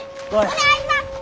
お願いします！